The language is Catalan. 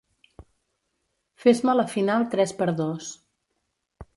Fes-me la final tres per dos.